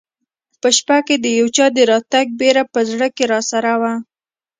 په شپه کې د یو چا د راتګ بېره په زړه کې راسره وه.